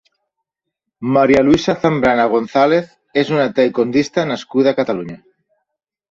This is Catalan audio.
María Luisa Zambrana González és una taekwondista nascuda a Catalunya.